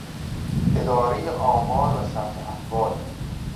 ادارهٔ آمار و ثبت احوال